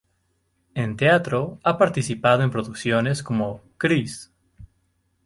En teatro ha participado en producciones como: "Grease.